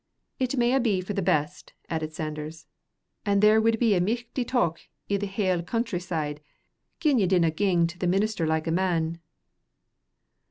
"It may a' be for the best," added Sanders, "an' there wid be a michty talk i' the hale country side gin ye didna ging to the minister like a man."